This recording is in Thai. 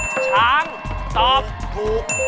ช้างตอบถูก